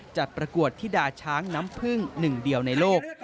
จัดประกวดที่ด่าช้างน้ำเพลิง๑เดียวในโลก